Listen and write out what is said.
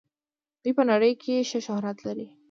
دوی په نړۍ کې ښه شهرت لري.